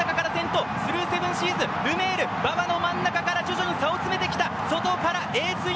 スルーセブンシーズルメール、馬場の真ん中から徐々に差を詰めてきた。